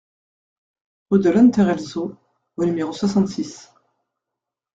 Rue de l'Unterelsau au numéro soixante-six